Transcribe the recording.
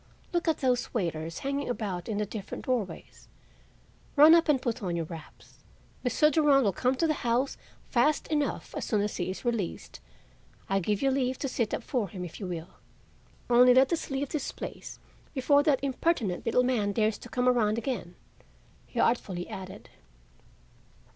Look at those waiters hanging about in the different doorways. Run up and put on your wraps. Mr. Durand will come to the house fast enough as soon as he is released. I give you leave to sit up for him if you will; only let us leave this place before that impertinent little man dares to come around again," he artfully added.